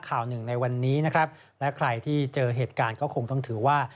ข่าวหนึ่งในวันนี้นะครับและใครที่เจอเหตุการณ์ก็คงต้องถือว่า